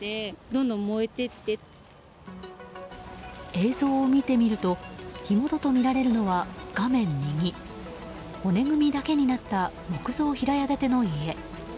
映像を見てみると火元とみられるのは画面右骨組みだけになった木造平屋建ての家。